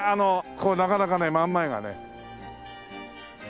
こうなかなかね真ん前がね。